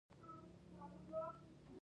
باز د ډېرو کلونو تجربه لري